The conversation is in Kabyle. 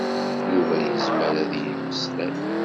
Yuba yezmer ad d-yemmeslay.